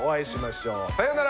さよなら。